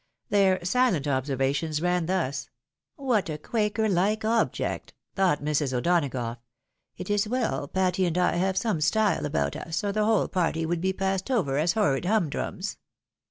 Their silent observations ran thus —" What a quaker hke object !" thought Mrs. O'Donagough. " It is well Patty and I have some style about us, or the whole party would be passed over as horrid hum drums."